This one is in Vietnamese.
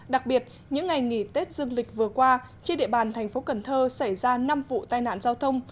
đặc biệt những ngày nghỉ tết dương lịch vừa qua trên địa bàn thành phố cần thơ xảy ra năm vụ tai nạn giao thông